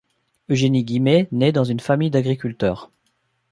Eugénie Guimet nait dans une famille d’agriculteurs.